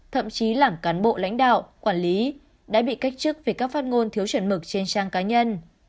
thậm chí làng cán bộ lãnh đạo quản lý đã bị cách trức về các phát ngôn thiếu chuẩn mực trên trang cá nhân